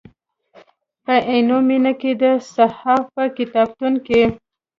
په عینومېنه کې د صحاف په کتابتون کې.